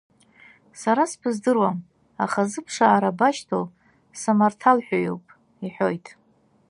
Сара сбыздыруам, аха зыԥшаара башьҭоу самарҭалҳәаҩуп, – иҳәоит.